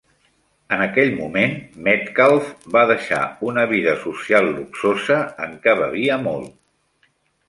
En aquell moment, Metcalf va deixar una vida social luxosa en què bevia molt.